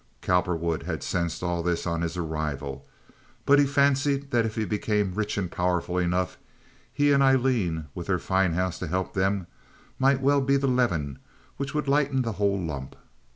Cowperwood had sensed all this on his arrival, but he fancied that if he became rich and powerful enough he and Aileen, with their fine house to help them, might well be the leaven which would lighten the whole lump.